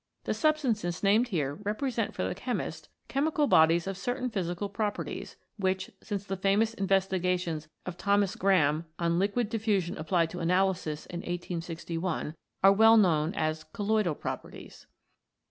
The substances named here represent for the chemist chemical bodies of certain physical properties which, since the famous investigations of Thomas Graham on Liquid Diffusion applied to Analysis, in 1861, are well known as colloidal properties.